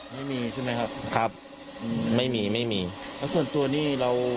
ไม่มีใช่ไหมครับครับไม่มีไม่มีแล้วส่วนตัวนี่เรา